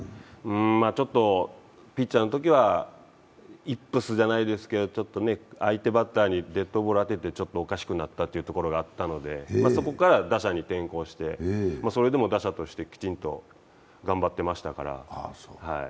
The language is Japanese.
ちょっとピッチャーのときはイップスじゃないですけど、ちょっとね、相手バッターにデッドボール当てておかしくなったということがあってそこから打者に転向して、それでも打者としてきちんと頑張ってましたから。